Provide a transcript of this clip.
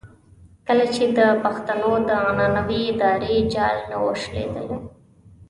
کله چې د پښتنو د عنعنوي ادارې جال نه وو شلېدلی.